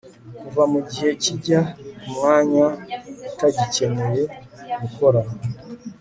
Kuva mugihe kijya kumwanya utagikeneye gukora